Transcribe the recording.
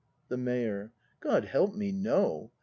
The Mayor. God help me, no!